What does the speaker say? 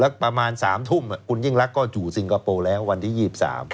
ประมาณ๓ทุ่มคุณยิ่งรักก็อยู่สิงคโปร์แล้ววันที่๒๓